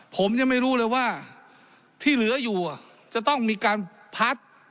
ผมยังไม่รู้เลยว่าที่เหลืออยู่จะต้องมีการพัด